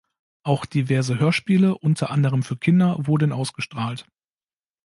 Auch diverse Hörspiele, unter anderem für Kinder, wurden ausgestrahlt.